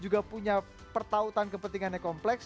juga punya pertautan kepentingannya kompleks